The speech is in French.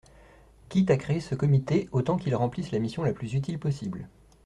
Quitte à créer ce comité, autant qu’il remplisse la mission la plus utile possible.